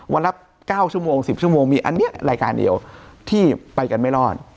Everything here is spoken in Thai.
วันละ๙ชั่วโมง๑๐ชั่วโมงมีอันนี้รายการเดียวที่ไปกันไม่รอด